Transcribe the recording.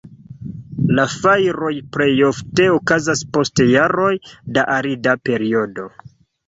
La fajroj plejofte okazas post jaroj da arida periodo.